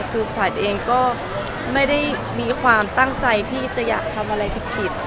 คือขวัญเองก็ไม่ได้มีความตั้งใจที่จะอยากทำอะไรผิด